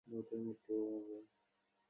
চোখ বন্ধ করলেই এর মানে এই নয় যে আপনি অন্ধ!